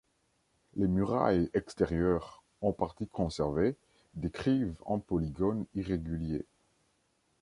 Les murailles extérieures, en partie conservées, décrivent un polygone irrégulier.